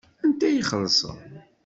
Anta i ixelṣen?